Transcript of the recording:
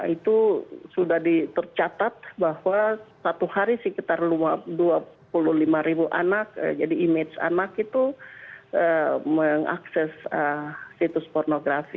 itu sudah ditercatat bahwa satu hari sekitar dua puluh lima ribu anak jadi image anak itu mengakses situs pornografi